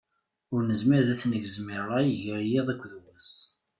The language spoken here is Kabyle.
Ur nezmir ad tt-negzem i rray gar yiḍ akked wass.